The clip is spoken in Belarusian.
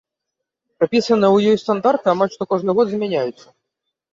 Прапісаныя ў ёй стандарты амаль што кожны год змяняюцца.